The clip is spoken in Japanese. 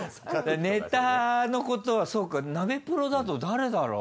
ネタのことはそうかナベプロだと誰だろう？